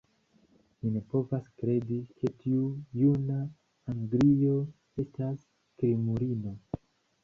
Mi ne povas kredi, ke tiu juna anglino estas krimulino.